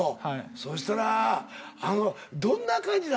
そしたらあのどんな感じなん？